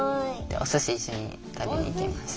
おすし一緒に食べに行きました。